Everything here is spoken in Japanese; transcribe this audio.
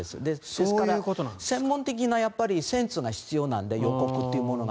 ですから、専門的なセンスが必要なので、予告というものは。